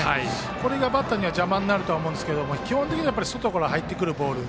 これがバッターには邪魔になると思いますが基本的には外から入ってくるボール。